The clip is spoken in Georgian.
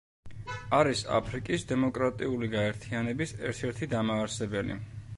არის აფრიკის დემოკრატიული გაერთიანების ერთ-ერთი დამაარსებელი.